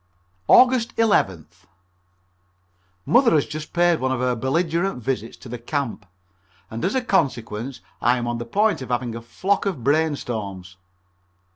Aug. 11th. Mother has just paid one of her belligerent visits to the camp, and as a consequence I am on the point of having a flock of brainstorms.